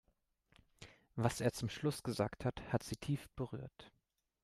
Was er zum Schluss gesagt hat, hat sie tief berührt.